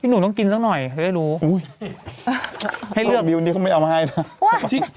ปีนุ่มต้องกินสักหน่อยให้ดูดิวนี้เข้าไปจะไม่เอามาให้เลย